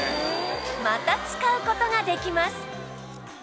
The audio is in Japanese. また使う事ができます